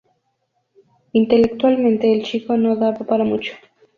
Intelectualmente, el chico no daba para mucho.